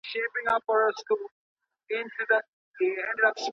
روغتیا به د ټولو لپاره برابره وي؟